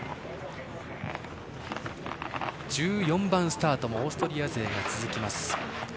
１４番スタートもオーストリア勢が続きます。